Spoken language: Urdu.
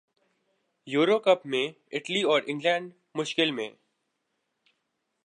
یورو کپ میں اٹلی اور انگلینڈ مشکل میں